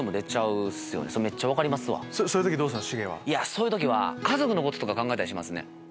そういう時は家族のこととか考えたりしますね。